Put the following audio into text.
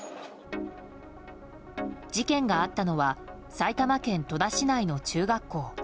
事件があったのは埼玉県戸田市内の中学校。